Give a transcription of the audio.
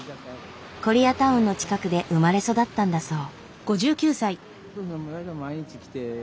コリアタウンの近くで生まれ育ったんだそう。